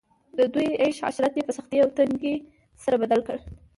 د دوی عيش عشرت ئي په سختۍ او تنګۍ سره بدل کړ